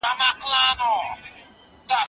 توماس یو یو توری زده کاوه.